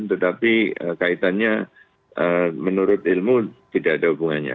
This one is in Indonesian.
tetapi kaitannya menurut ilmu tidak ada hubungannya